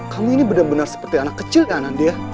kamu ini benar benar seperti anak kecil ya anandia